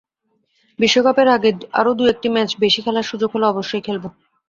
বিশ্বকাপের আগে আরও দু-একটি ম্যাচ বেশি খেলার সুযোগ হলে অবশ্যই খেলব।